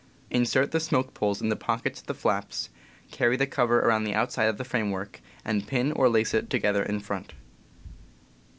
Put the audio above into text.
Insert the smoke poles in the pockets of the flaps, carry the cover around the outside of the framework, and pin or lace it together in front.